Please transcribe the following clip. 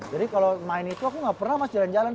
jadi kalau main itu aku gak pernah mas jalan jalan